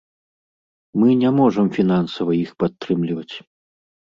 Мы не можам фінансава іх падтрымліваць.